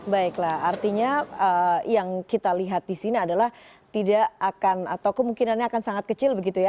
baiklah artinya yang kita lihat di sini adalah tidak akan atau kemungkinannya akan sangat kecil begitu ya